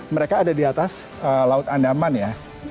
mereka ada di atas laut andaman ya